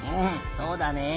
そうだね。